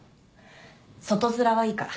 外づらはいいから。